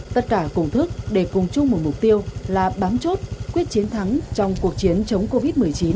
tất cả cùng thức để cùng chung một mục tiêu là bám chốt quyết chiến thắng trong cuộc chiến chống covid một mươi chín